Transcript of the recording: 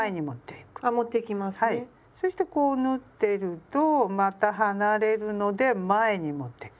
そしてこう縫ってるとまた離れるので前に持ってくる。